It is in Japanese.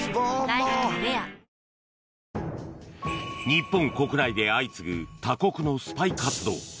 日本国内で相次ぐ他国のスパイ活動。